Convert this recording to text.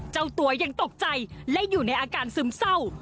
เจ้าตัวยังตกใจและอยู่ในอาการซึมเศร้า